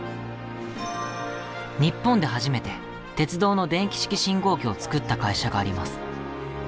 日本で初めて鉄道の電気式信号機を作った会社があります。